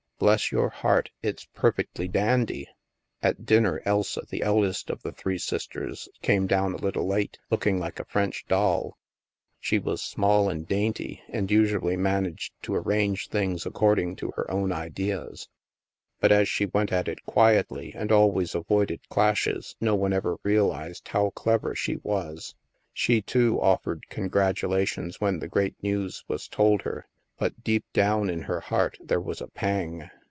Bless your heart; it's perfectly dandy." At dinner, Elsa, the eldest of the three sisters, came down a little late, looking like a French doll. STILL WATERS 23 She was small and dainty, and usually managed to arrange things according to her own ideas. But as she went at it quietly and always avoided clashes, no one ever realized how clever she was. She, too, offered congratulations when the great news was told her. But, deep down in her heart, there was a pang.